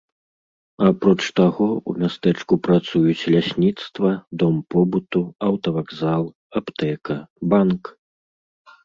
Апроч таго, у мястэчку працуюць лясніцтва, дом побыту, аўтавакзал, аптэка, банк.